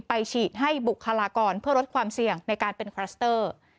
ฉีดให้บุคลากรเพื่อลดความเสี่ยงในการเป็นคลัสเตอร์